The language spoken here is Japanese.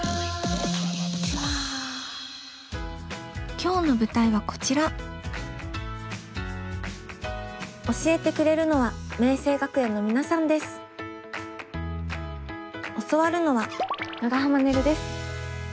今日の舞台はこちら教えてくれるのは教わるのは長濱ねるです。